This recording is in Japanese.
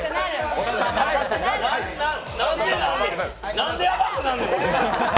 何で甘くなんねん。